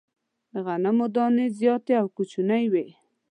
د غنمو دانې زیاتي او کوچنۍ وې.